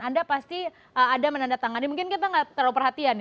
anda pasti ada menandatangan mungkin kita tidak terlalu perhatian